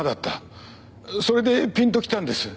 それでピンときたんです。